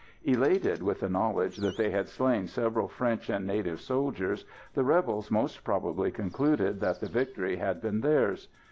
Elated with the knowledge that they had slain several French and native soldiers, the rebels most probably concluded that the victory had been theirs.